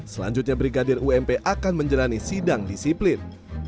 selanjutnya brigadir ump akan menjalani sidang disiplin